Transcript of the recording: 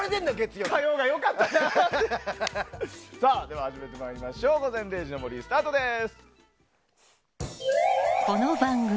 では、始めてまいりましょう「午前０時の森」スタートです。